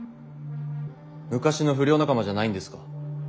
昔の不良仲間じゃないんですか？